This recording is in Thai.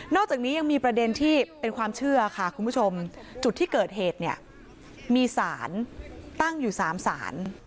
อกจากนี้ยังมีประเด็นที่เป็นความเชื่อค่ะคุณผู้ชมจุดที่เกิดเหตุเนี่ยมีสารตั้งอยู่๓ศาล